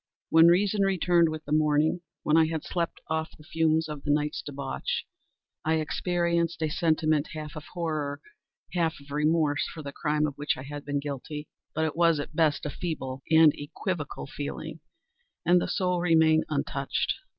When reason returned with the morning—when I had slept off the fumes of the night's debauch—I experienced a sentiment half of horror, half of remorse, for the crime of which I had been guilty; but it was, at best, a feeble and equivocal feeling, and the soul remained untouched.